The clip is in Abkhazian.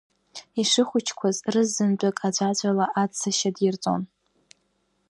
Ишыхәыҷӡақәаз рызынтәык аӡәаӡәала аӡсашьа дирҵон.